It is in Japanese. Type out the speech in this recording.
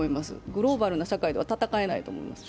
グローバルな社会では戦えないと思います。